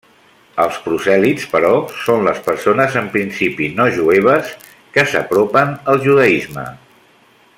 Els prosèlits, però, són les persones en principi no jueves que s'apropen al judaisme.